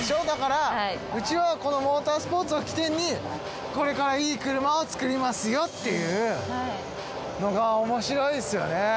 だからうちはこのモータースポーツを起点にこれからいいクルマをつくりますよっていうのがおもしろいですよね。